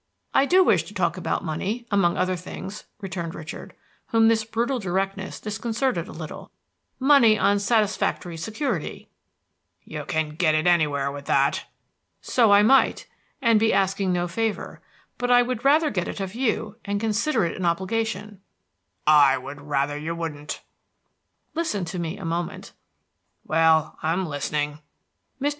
"I do wish to talk about money, among other things," returned Richard, whom this brutal directness disconcerted a little, "money on satisfactory security." "You can get it anywhere with that." "So I might, and be asking no favor; but I would rather get it of you, and consider it an obligation." "I would rather you wouldn't." "Listen to me a moment." "Well, I'm listening." Mr.